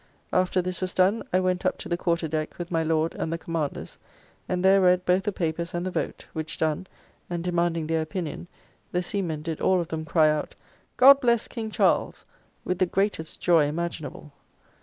After this was done, I went up to the quarter deck with my Lord and the Commanders, and there read both the papers and the vote; which done, and demanding their opinion, the seamen did all of them cry out, "God bless King Charles!" with the greatest joy imaginable.